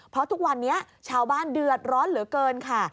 เพราะทุกวันนี้ชาวบ้านเดือดร้อนเหลือเกินค่ะ